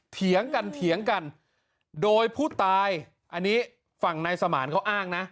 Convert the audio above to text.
เถียงกันเถียงกันโดยผู้ตายอันนี้ฝั่งนายสมานเขาอ้างนะ